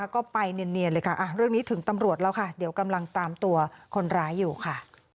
ก็ไปเนียนเลยค่ะเรื่องนี้ถึงตำรวจแล้วค่ะเดี๋ยวกำลังตามตัวคนร้ายอยู่ค่ะ